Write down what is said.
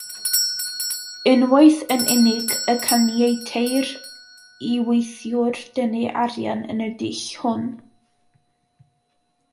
Unwaith yn unig y caniateir i weithiwr dynnu arian yn y dull hwn.